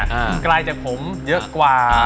มันไกลจากผมเยอะกว่า